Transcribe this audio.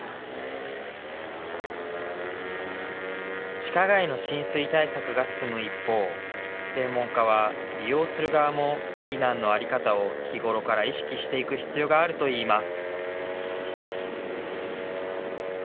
地下街の浸水対策が進む一方、専門家は利用する側も避難の在り方を日頃から意識していく必要があるといいます。